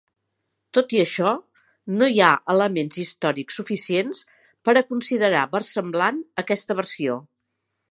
Tot i això, no hi ha elements històrics suficients per a considerar versemblant aquesta versió.